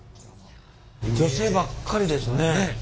女性ばっかりですね。